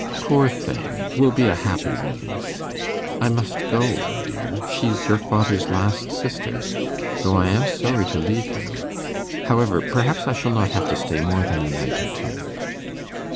Poor thing! it will be a happy release. I must go, my dear she's your father's last sister though I am sorry to leave you. However, perhaps I shall not have to stay more than a night or two.